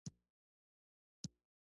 د لغمان جوار د سیند ترڅنګ دي.